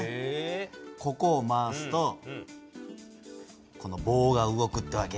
ここを回すとこの棒が動くってわけ。